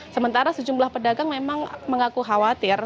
sementara sejumlah pedagang memang mengaku khawatir